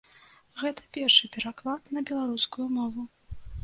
Гэта першы пераклад на беларускую мову.